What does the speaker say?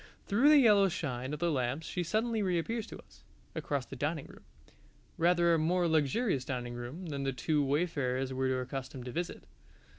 Through the yellow shine of the lamps she suddenly reappears to us, across the dining room rather a more luxurious dining room than the two wayfarers were accustomed to visit.